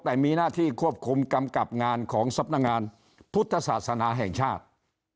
แต่มีหน้าที่ควบคุมกำกับงานของสำนักงานพุทธศาสนาแห่งชาติ